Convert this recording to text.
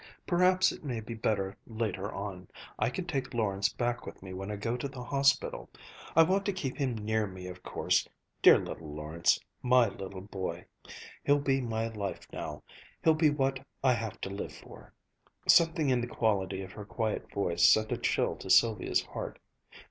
"Perhaps it may be better later on. I can take Lawrence back with me when I go to the hospital. I want to keep him near me of course, dear little Lawrence. My little boy! He'll be my life now. He'll be what I have to live for." Something in the quality of her quiet voice sent a chill to Sylvia's heart.